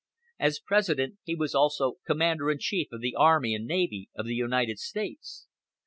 As President he was also Commander in Chief of the Army and Navy of the United States.